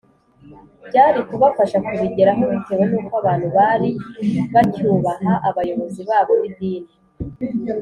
byari kubafasha kubigeraho bitewe n’uko abantu bari bacyubaha abayobozi babo b’idini